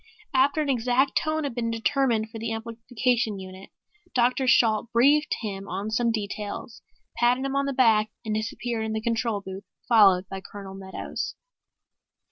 After an exact tone had been determined for the amplification unit, Dr. Shalt briefed him on some details, patted him on the back and disappeared into the control booth followed by Colonel Meadows.